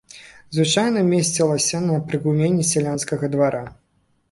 Звычайна месцілася на прыгуменні сялянскага двара.